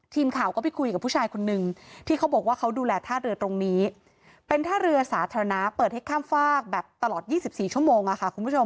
ทีมข่าวก็ไปคุยกับผู้ชายคนนึงที่เขาบอกว่าเขาดูแลท่าเรือตรงนี้เป็นท่าเรือสาธารณะเปิดให้ข้ามฟากแบบตลอด๒๔ชั่วโมงค่ะคุณผู้ชม